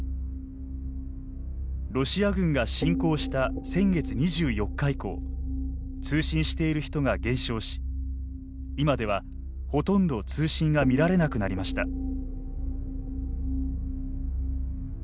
ロシア軍が侵攻した先月２４日以降通信している人が減少し今では、ほとんど通信が見られなくなりました。